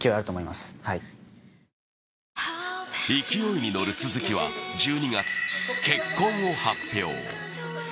勢いに乗る鈴木は１２月、結婚を発表。